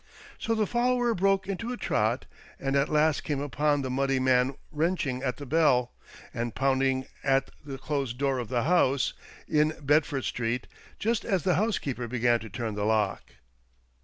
So the follower broke into a trot, and at last came upon the muddy man wrenching at the bell and pounding at the closed door of the house in Bedford Street, just as the housekeeper began to turn the lock.